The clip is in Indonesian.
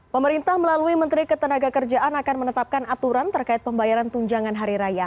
pemerintah melalui menteri ketenaga kerjaan akan menetapkan aturan terkait pembayaran tunjangan hari raya